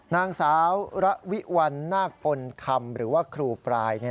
นางสาวระวิวัลนาคปนคำหรือว่าครูปาย